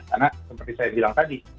karena seperti saya bilang tadi